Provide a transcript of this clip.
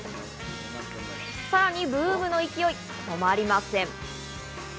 さらにブームの勢い止まりません。